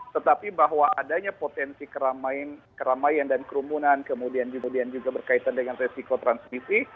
tetapi bahwa adanya potensi keramaian dan kerumunan kemudian juga berkaitan dengan resiko transmisi